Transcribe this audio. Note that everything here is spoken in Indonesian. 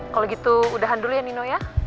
kalau gitu udahan dulu ya nino ya